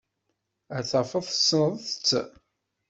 Ad tafeḍ tessneḍ-tt.